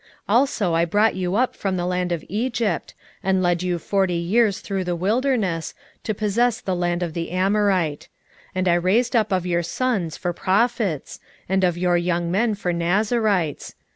2:10 Also I brought you up from the land of Egypt, and led you forty years through the wilderness, to possess the land of the Amorite. 2:11 And I raised up of your sons for prophets, and of your young men for Nazarites.